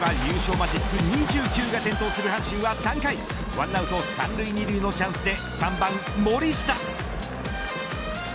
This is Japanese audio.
マジック２９が点灯する阪神は３回１アウト三塁二塁のチャンスで３番森下。